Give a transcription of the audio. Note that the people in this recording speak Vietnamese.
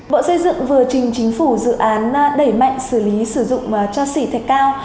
bộ xây dựng vừa trình chính phủ dự án đẩy mạnh xử lý sử dụng cho xỉ thạch cao